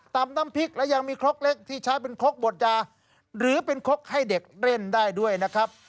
น้ำพริกและยังมีครกเล็กที่ใช้เป็นครกบดยาหรือเป็นครกให้เด็กเล่นได้ด้วยนะครับ